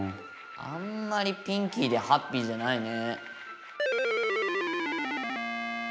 あんまりピンキーでハッピーじゃないね。